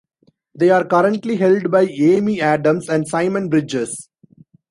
They are currently held by Amy Adams and Simon Bridges.